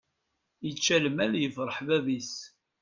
Ičča lmal yefṛeḥ bab-is.